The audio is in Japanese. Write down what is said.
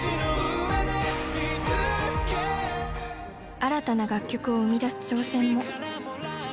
新たな楽曲を生みだす挑戦も。